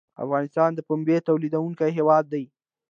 افغانستان د پنبې تولیدونکی هیواد دی